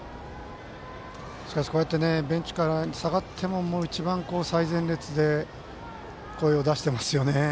こうしてベンチに下がっても一番最前列で声を出していますよね。